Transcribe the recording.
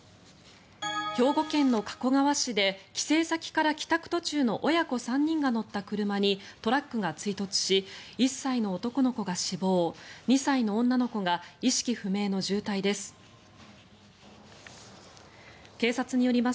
兵庫県の加古川市で帰省先から帰宅途中の親子３人が乗った車にトラックが追突し１歳の男の子が死亡し２歳の女の子が意識不明の重体です。